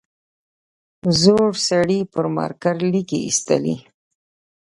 زوړ سړي پر مارکر ليکې ایستلې.